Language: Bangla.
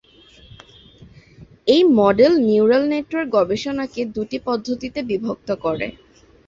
এই মডেল নিউরাল নেটওয়ার্ক গবেষণাকে দুটি পদ্ধতিতে বিভক্ত করে।